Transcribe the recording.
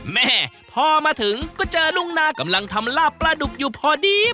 แม่พอมาถึงก็เจอลุงนากำลังทำลาบปลาดุกอยู่พอดี